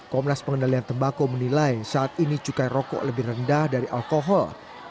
komnas pengendalian tembako menilai saat ini cukai rokok lebih rendah dari alkohol